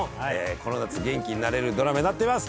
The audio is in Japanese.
この夏元気になれるドラマになっています。